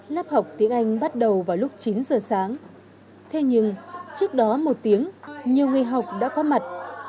lớp học tiếng anh bắt đầu vào lúc chín giờ sáng thế nhưng trước đó một tiếng nhiều người học đã có mặt